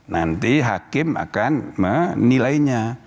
nanti hakim akan menilainya